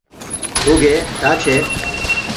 — Туге, таче.